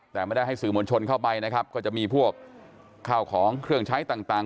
แต่ไม่ได้ให้สื่อมวลชนเข้าไปนะครับก็จะมีพวกข้าวของเครื่องใช้ต่าง